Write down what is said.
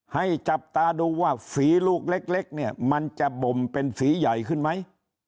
ให้จับตาดูว่าฝีลูกเล็กเนี่ยมันจะบ่มเป็นฝีใหญ่ขึ้นไหม